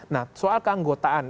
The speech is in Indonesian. nah soal keanggotaan